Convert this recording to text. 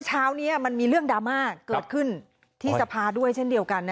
เช้านี้มันมีเรื่องดราม่าเกิดขึ้นที่สภาด้วยเช่นเดียวกัน